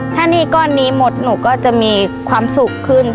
ถ้าหนี้ก้อนนี้หมดหนูก็จะมีความสุขขึ้น